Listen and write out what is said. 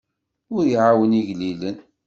Ur iɛawen igellilen.